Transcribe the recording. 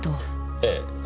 ええ。